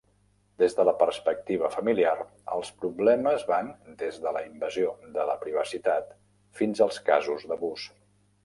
Des de la perspectiva familiar, els problemes van des de la invasió de la privacitat fins a casos d'abús.